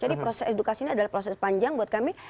jadi proses edukasi ini adalah proses panjang buat kami